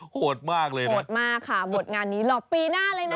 โหดมากเลยโหดมากค่ะบทงานนี้หลอกปีหน้าเลยนะ